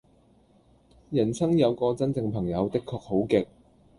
人生有個真正朋友的確好極